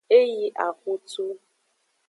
E yi axutu.